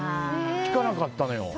効かなかったのよ。